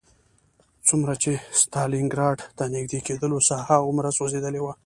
څومره چې ستالینګراډ ته نږدې کېدلو ساحه هغومره سوځېدلې وه